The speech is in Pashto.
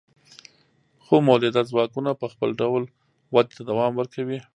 خو مؤلده ځواکونه په خپل ډول ودې ته دوام ورکوي.